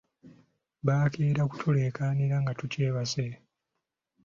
Bakeera kutuleekaanira nga tukyebase.